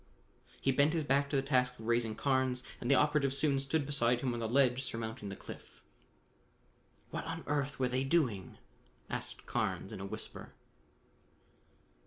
He bent his back to the task of raising Carnes, and the operative soon stood beside him on the ledge surmounting the cliff. "What on earth were they doing?" asked Carnes in a whisper.